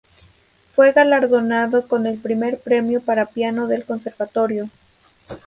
Fue galardonado con el primer premio para piano del conservatorio.